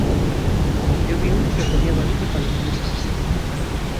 Yo vi ún que podía valime pa los mios casos.